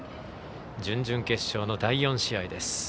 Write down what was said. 準々決勝の第４試合です。